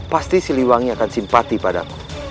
pasti siliwangi akan simpati padaku